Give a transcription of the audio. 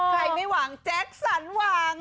ไม่หวังแจ็คสันหวัง